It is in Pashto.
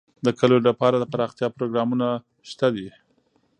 د کلیو لپاره دپرمختیا پروګرامونه شته دي.